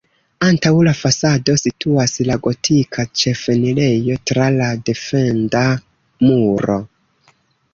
Antaŭ la fasado situas la gotika ĉefenirejo tra la defenda muro.